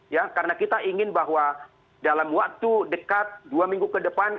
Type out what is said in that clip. ya karena kita ingin bahwa dalam waktu dekat dua minggu ke depan